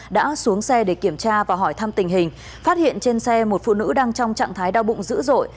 đã xuống xe để kiểm tra và hỏi thăm tình hình phát hiện trên xe một phụ nữ đang trong trạng thái đau bụng dữ dội